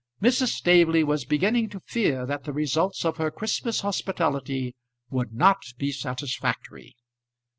Mrs. Staveley was beginning to fear that the results of her Christmas hospitality would not be satisfactory.